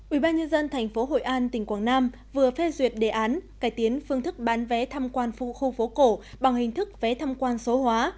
ubnd tp hội an tỉnh quảng nam vừa phê duyệt đề án cải tiến phương thức bán vé thăm quan khu phố cổ bằng hình thức vé thăm quan số hóa